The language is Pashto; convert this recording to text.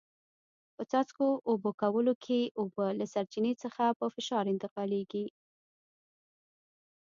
په څاڅکو اوبه کولو کې اوبه له سرچینې څخه په فشار انتقالېږي.